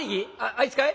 あいつかい？